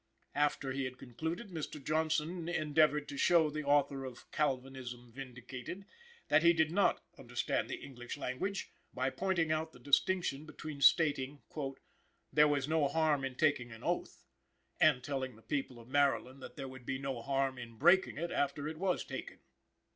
After he had concluded, Mr. Johnson endeavored to show the author of "Calvinism Vindicated" that he did not understand the English language, by pointing out the distinction between stating "there was no harm in taking an oath, and telling the people of Maryland that there would be no harm in breaking it after it was taken."